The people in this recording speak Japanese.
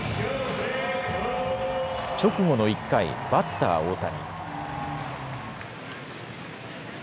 直後の１回、バッター大谷。